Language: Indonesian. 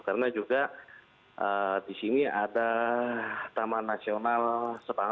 karena juga di sini ada taman nasional sepang